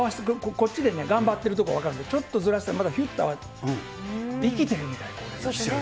こっちでね、頑張ってるところ分かるんですけど、ちょっとずらしたらまたひゅって合わせてくれる。